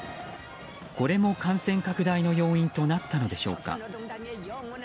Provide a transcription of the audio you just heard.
これも感染拡大の要因となったのでしょうか。